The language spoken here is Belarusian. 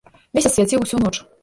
Месяц свяціў усю ноч.